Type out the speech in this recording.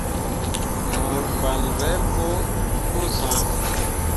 Ŋmorŋ fan relbo pu sãã.